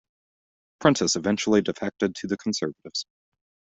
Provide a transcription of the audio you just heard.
Prentice eventually defected to the Conservatives.